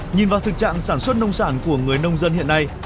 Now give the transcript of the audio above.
nhìn vào thực trạng sản xuất nông sản của người nông dân hiện nay